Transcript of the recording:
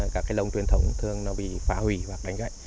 các cái lồng truyền thống thường nó bị phá hủy hoặc đánh gãy